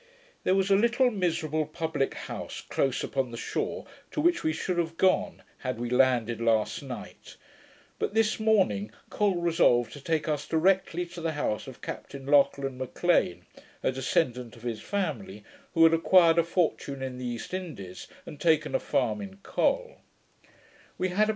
There was a little miserable publick house close upon the shore, to which we should have gone, had we landed last night: but this morning Col resolved to take us directly to the house of Captain Lauchlan M'Lean, a descendant of his family, who had acquired a fortune in the East Indies, and taken a farm in Col.